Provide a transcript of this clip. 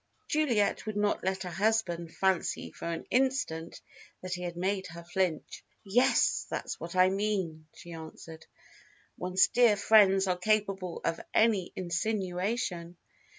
Juliet would not let her husband fancy for an instant that he had made her flinch. "Yes, that's what I mean," she answered. "One's dear friends are capable of any insinuation."